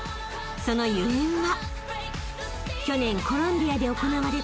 ［そのゆえんは］